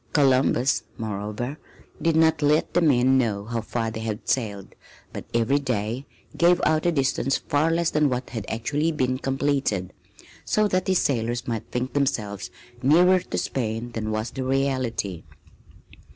Columbus, moreover, did not let the men know how far they had sailed, but every day gave out a distance far less than what had actually been completed, so that his sailors might think themselves nearer to Spain than was the reality.